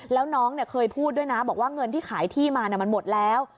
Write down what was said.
แล้วน้องเคยพูดด้วยนะบอกว่าเงินที่ขายที่มามันหมดแล้ว